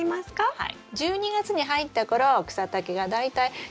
はい。